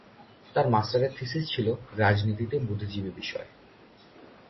তার মাস্টারের থিসিস ছিল "রাজনীতিতে বুদ্ধিজীবী" বিষয়ে।